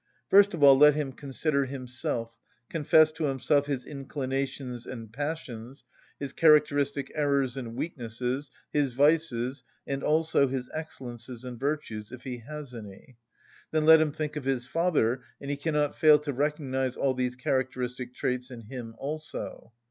First of all let him consider himself, confess to himself his inclinations and passions, his characteristic errors and weaknesses, his vices, and also his excellences and virtues, if he has any. Then let him think of his father, and he cannot fail to recognise all these characteristic traits in him also.